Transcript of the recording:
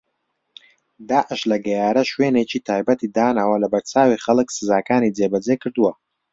داعش لە گەیارە شوێنێکی تایبەتی داناوە و لەبەرچاوی خەڵک سزاکانی جێبەجێ کردووە